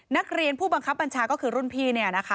นักเรียนผู้บังคับบัญชาก็คือรุ่นพี่